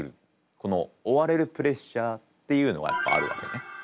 この追われるプレッシャーっていうのがやっぱあるわけね。